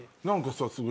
何か。